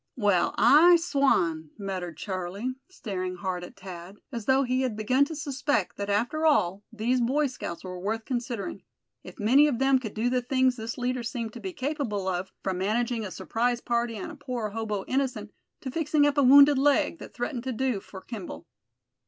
"Well, I swan!" muttered Charlie, staring hard at Thad, as though he had begun to suspect that after all these Boy Scouts were worth considering, if many of them could do the things this leader seemed to be capable of, from managing a surprise party on a poor hobo innocent, to fixing up a wounded leg that threatened to do for Kimball.